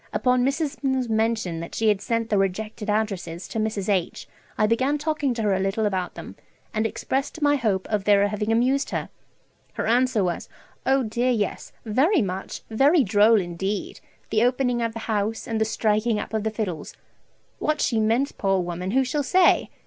Upon Mrs. 's mentioning that she had sent the rejected addresses to Mrs. H., I began talking to her a little about them, and expressed my hope of their having amused her. Her answer was, "Oh dear yes, very much, very droll indeed, the opening of the house, and the striking up of the fiddles!" What she meant, poor woman, who shall say?